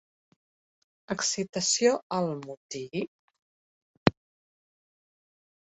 Excitació al motí?